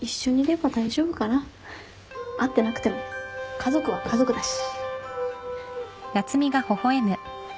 会ってなくても家族は家族だし。